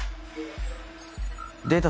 データ